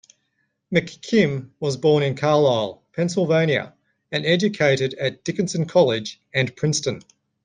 McKim was born in Carlisle, Pennsylvania, and educated at Dickinson College and Princeton.